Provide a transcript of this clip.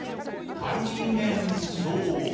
「たいげんそうご」。